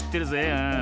ああ。